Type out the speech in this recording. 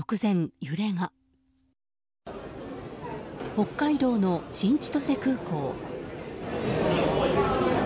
北海道の新千歳空港。